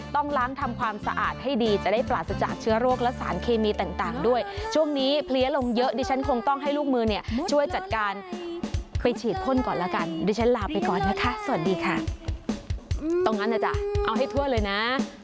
ต้องล้างทำความสะอาดให้ดีจะได้ปราศจากเชื้อโรคและสารเคมีต่างด้วยช่วงนี้เพลี้ยลงเยอะดิฉันคงต้องให้ลูกมือเนี่ยช่วยจัดการไปฉีดพ่นก่อนแล้วกันดิฉันลาไปก่อนนะคะสวัสดีค่ะตรงนั้นนะจ๊ะเอาให้ทั่วเลยนะ